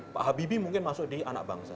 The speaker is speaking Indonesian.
pak habibie mungkin masuk di anak bangsa